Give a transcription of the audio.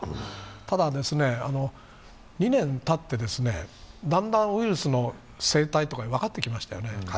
ただ、２年たって、だんだんウイルスの生態とか分かってきましたよね。